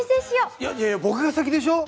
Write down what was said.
いやいや僕が先でしょ！